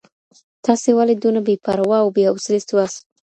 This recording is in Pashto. تاسي ولي دونه بې پروا او بې حوصلې سواست؟